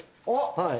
はい。